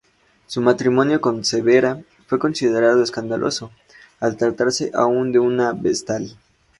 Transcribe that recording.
Su matrimonio con Severa fue considerado escandaloso, al tratarse aún de una vestal.